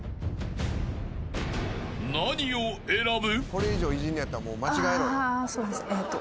［何を選ぶ？］